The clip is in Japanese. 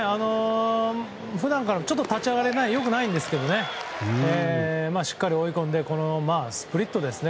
普段から立ち上がりは良くないんですがしっかり追い込んでスプリットですよね。